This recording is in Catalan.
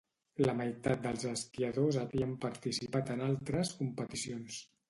La meitat dels esquiadors havien participat en altres competicions.